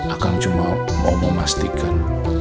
akan cuma mau memastikan